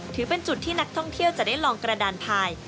ถือเป็นจุดที่นักท่องเที่ยวจะได้ลองกระดานพาย